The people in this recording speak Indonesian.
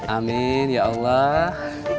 amin ya allah